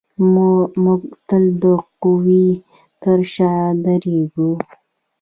موږ تل د قوي تر شا درېږو.